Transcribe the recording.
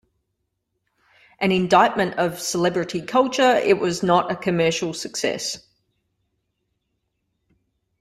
An indictment of celebrity culture, it was not a commercial success.